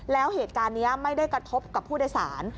แล้วเหตุการณ์นี้ไม่ได้กระทบกับผู้โดยสาร